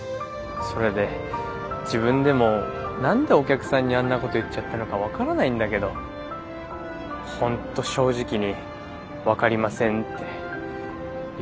それで自分でも何でお客さんにあんなこと言っちゃったのか分からないんだけど本当正直に「分かりません」って言っちゃったんだよね。